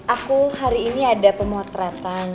aku hari ini ada pemotretan